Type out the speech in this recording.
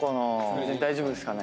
別に大丈夫ですかね？